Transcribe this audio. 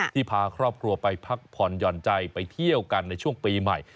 พาครอบครัวไปพักผ่อนหย่อนใจไปเที่ยวกันในช่วงปีใหม่